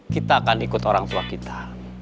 kita akan ikut orang tua kita